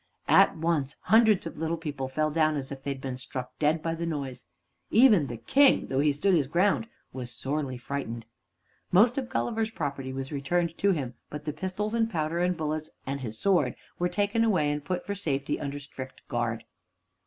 At once hundreds of little people fell down as if they had been struck dead by the noise. Even the King, though he stood his ground, was sorely frightened. Most of Gulliver's property was returned to him; but the pistols and powder and bullets, and his sword, were taken away and put, for safety, under strict guard.